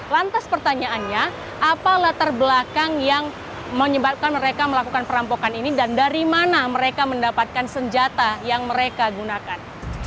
lantas pertanyaannya apa latar belakang yang menyebabkan mereka melakukan perampokan ini dan dari mana mereka mendapatkan senjata yang mereka gunakan